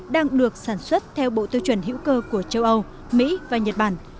đang được sản xuất theo bộ tiêu chuẩn hữu cơ của châu âu mỹ và nhật bản